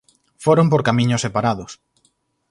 Foron por camiños separados.